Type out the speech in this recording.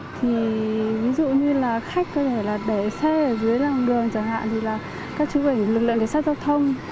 thì ví dụ như là khách có thể là để xe ở dưới làng đường chẳng hạn thì là các chú phải lực lượng đề xác giao thông